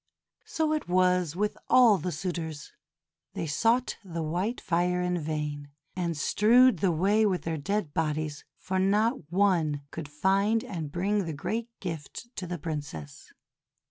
So it was with all the suitors, they sought the white fire in vain, and strewed the way with their dead bodies; for not one could find and bring the great gift to the Princess.